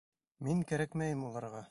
Мин кәрәкмәйем уларға.